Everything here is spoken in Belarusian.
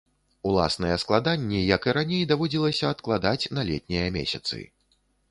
Уласныя складанні, як і раней, даводзілася адкладаць на летнія месяцы.